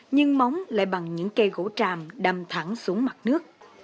nhưng móng lại bằng những cây gỗ tràm đâm thẳng xuống mặt nước